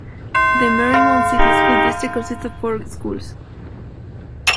The Mariemont City School District consists of four schools.